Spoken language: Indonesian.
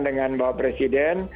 dengan mbak presiden